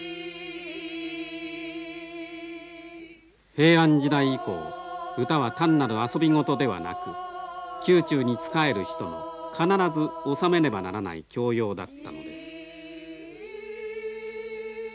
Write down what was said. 平安時代以降歌は単なる遊び事ではなく宮中に仕える人の必ず修めねばならない教養だったのです。